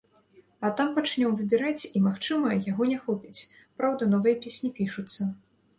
А там пачнём выбіраць і, магчыма, яго не хопіць, праўда новыя песні пішуцца.